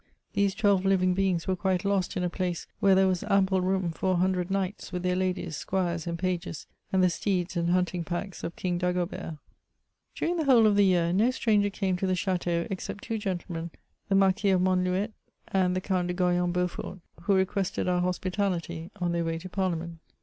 These twelve living beings were quite lost in a place where there was ample room for a hundred knights, with their ladies, squires, and pages, and the steeds and hunting packs of Sing Dagobert. 1 20 MEMOIRS OP During the whole of the year, no stranger came to the chateau, except two gentlemen, the Marquis of Monlouet, and the Count de Goyon Beaufort, who requested our hospitality, on their way to Parliament.